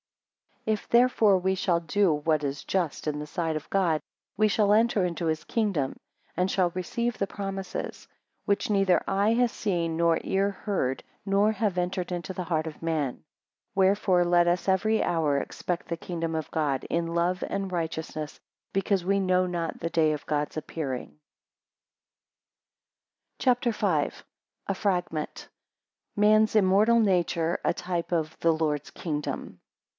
14 If, therefore, we shall do what is just in the sight of God we shall enter into his kingdom, and shall receive the promises; Which neither eye has seen, nor ear heard, nor have entered into the heart of man. 15 Wherefore let us every hour expect the kingdom of God in love and righteousness; because we know not the day of God's appearing. CHAPTER V. A FRAGMENT. Man's immortal nature a type of the Lord's kingdom.